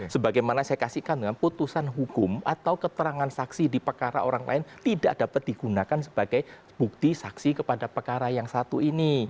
sebagaimana saya kasihkan putusan hukum atau keterangan saksi di perkara orang lain tidak dapat digunakan sebagai bukti saksi kepada pekara yang satu ini